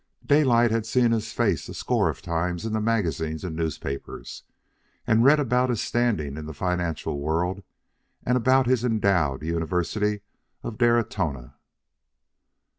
Daylight had seen his face a score of times in the magazines and newspapers, and read about his standing in the financial world and about his endowed University of Daratona.